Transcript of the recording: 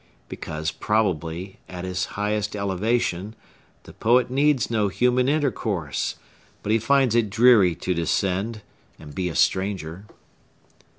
Because, probably, at his highest elevation, the poet needs no human intercourse; but he finds it dreary to descend, and be a stranger.